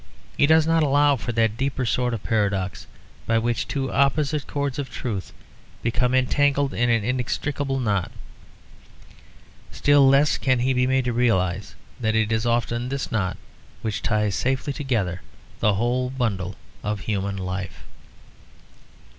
He does not allow for that deeper sort of paradox by which two opposite cords of truth become entangled in an inextricable knot. Still less can he be made to realise that it is often this knot which ties safely together the whole bundle of human life.